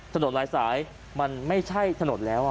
ถนนหลายสายมันไม่ใช่ถนนแล้ว